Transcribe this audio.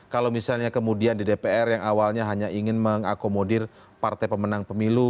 kalau misalnya kemudian di dpr yang awalnya hanya ingin mengakomodir partai pemenang pemilu